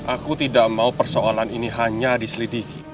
aku tidak mau persoalan ini hanya diselidiki